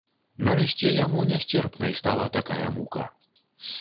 Нарэшце яму нясцерпнай стала такая мука.